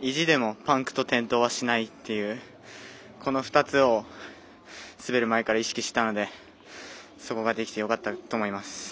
意地でもパンクと転倒はしないっていうこの２つを滑る前から意識したのでそこができてよかったと思います。